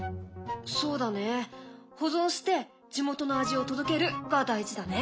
そうだね保存して地元の味を届けるが大事だね。